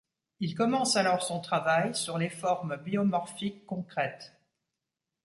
Il commence alors son travail sur les formes biomorphiques concrètes.